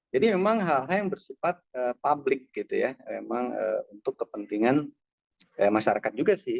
jadi memang hal hal yang bersifat public untuk kepentingan masyarakat juga sih